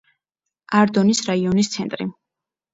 არდონის რაიონის ცენტრი.